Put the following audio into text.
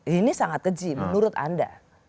ini sangat keji menurut anda